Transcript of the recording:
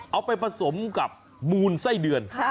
เอาไปผสมกับมูลไส้เดือน